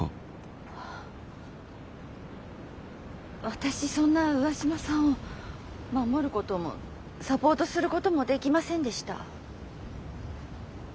私そんな上嶋さんを守ることもサポートすることもできませんでした。